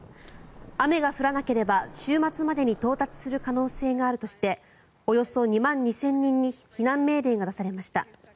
雨が降らなければ、週末までに到達する可能性があるとしておよそ２万２０００人に避難命令が出されました。